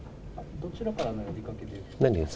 どちらからの呼びかけで？